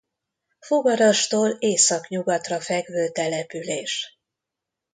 Fogarastól északnyugatra fekvő település.